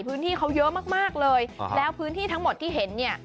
พื้นที่เขาเยอะมากมากเลยแล้วพื้นที่ทั้งหมดที่เห็นเนี่ย